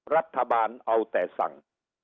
รัฐบาลเอาแต่สั่ง